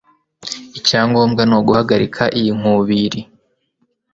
Icyangombwa ni uguhagarika iyi nkubiri.